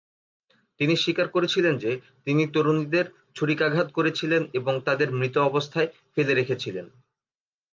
তিনি স্বীকার করেছিলেন যে, তিনি তরুণীদের ছুরিকাঘাত করেছিলেন এবং তাদের মৃত অবস্থায় ফেলে রেখেছিলেন।